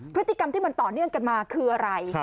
พฤติกรรมที่มันต่อเนื่องกันมาคืออะไร